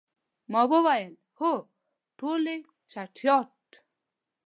ما وویل، هو، ټولې چټیات.